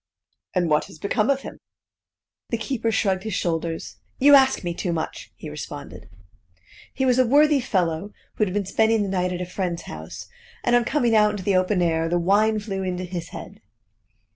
"And what has become of him?" The keeper shrugged his shoulders. "You ask me too much," he responded. He was a worthy fellow who had been spending the night at a friend's house, and on coming out into the open air, the wine flew into his head.